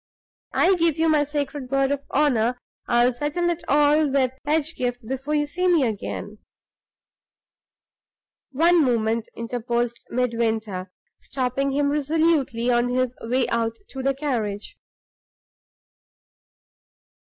I give you my sacred word of honor I'll settle it all with Pedgift before you see me again." "One moment," interposed Midwinter, stopping him resolutely on his way out to the carriage.